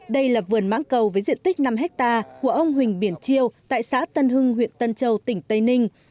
đây là vườn máng cầu với diện tích năm hectare của ông huỳnh biển chiêu tại xã tân hưng huyện tân châu tỉnh tây ninh